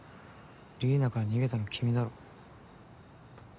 李里奈から逃げたのは君だろ。